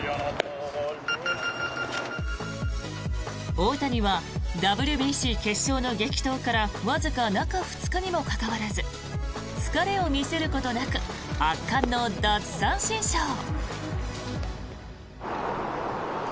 大谷はＷＢＣ決勝の激闘からわずか中２日にもかかわらず疲れを見せることなく圧巻の奪三振ショー。